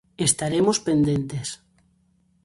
Estaremos pendentes.